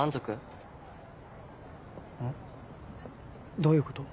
どういうこと？